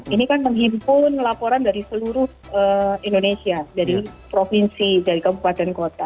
ini kan menghimpun laporan dari seluruh indonesia dari provinsi dari kabupaten kota